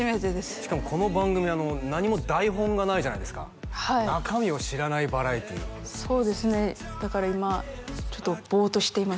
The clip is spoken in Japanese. しかもこの番組何も台本がないじゃないですかはい中身を知らないバラエティーそうですねだから今ちょっとボーッとしています